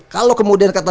kalo kemudian kata